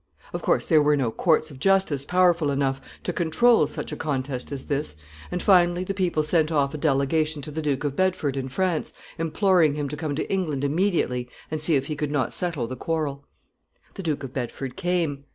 Of course there were no courts of justice powerful enough to control such a contest as this, and finally the people sent off a delegation to the Duke of Bedford in France, imploring him to come to England immediately and see if he could not settle the quarrel. [Sidenote: Bedford summoned home from France.] The Duke of Bedford came.